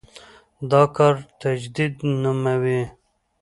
دا کار تجدید نوموي.